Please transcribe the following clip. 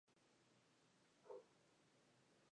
Actualmente es venerable.